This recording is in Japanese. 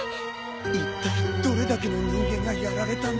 いったいどれだけの人間がやられたんだ？